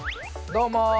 どうも！